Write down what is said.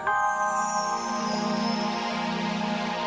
sampai jumpa lagi